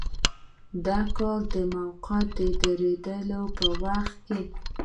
د کار د موقت دریدلو په وخت کې.